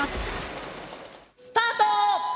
スタート！